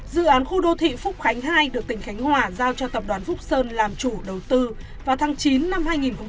dự án khu đô thị phúc khánh hai được tỉnh khánh hòa giao cho tập đoàn phúc sơn làm chủ đầu tư vào tháng chín năm hai nghìn một mươi